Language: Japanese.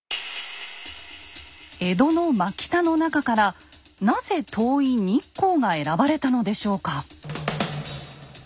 江戸の真北の中からなぜ遠い日光が選ばれたのでしょうか？